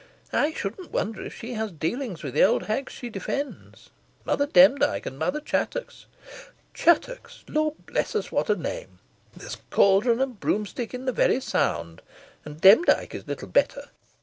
I shouldn't wonder if she has dealings with the old hags she defends Mother Demdike and Mother Chattox. Chattox! Lord bless us, what a name! There's caldron and broomstick in the very sound! And Demdike is little better.